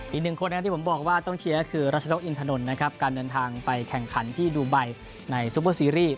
อีกหนึ่งคนนะครับที่ผมบอกว่าต้องเชียร์ก็คือรัชนกอินทนนท์นะครับการเดินทางไปแข่งขันที่ดูไบในซูเปอร์ซีรีส์